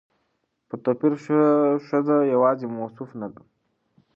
په توپير ښځه يواځې موصوف نه ده